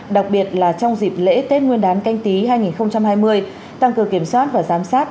đặc biệt là trong dịp lễ tết nguyên đán canh tí hai nghìn hai mươi tăng cường kiểm soát và giám sát